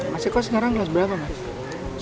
masih kok sekarang lulus berapa mas